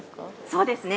◆そうですね。